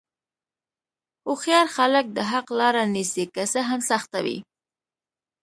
هوښیار خلک د حق لاره نیسي، که څه هم سخته وي.